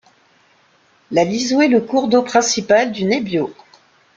L'Aliso est le cours d'eau principal du Nebbio.